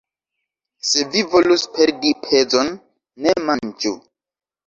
Se vi volus perdi pezon, ne manĝu!